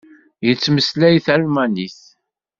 Yettmeslay talmanit.